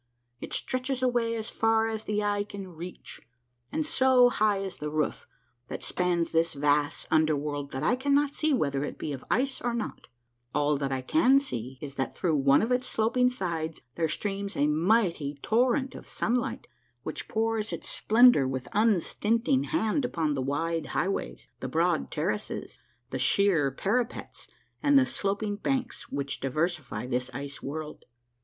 It stretches away as far as the eye can reach, and so high is the roof that spans this vast under world that I cannot see whether it be of ice or not. All that I 148 A MARVELLOUS UNDERGROUND JOURNEY can see is that through one of its sloping sides there streams a mighty torrent of sunlight, which pours its splendor with un stinting hand upon the wide highways, the broad terraces, the sheer parapets, and the sloping banks which diversify this ice world.